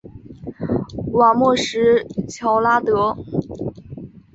瓦莫什乔拉德。